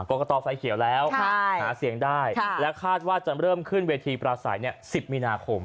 กรกตไฟเขียวแล้วหาเสียงได้และคาดว่าจะเริ่มขึ้นเวทีปราศัย๑๐มีนาคม